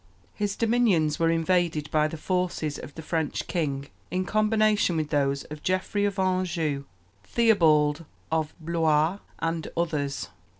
His dominions were invaded by the forces of the French king, in combination with those of Geoffrey of Anjou, Theobald of Blois, and others.